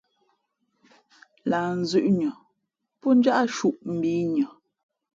Lah nzʉ̄ʼ nʉα pó njáʼ shūʼ mbǐnʉα.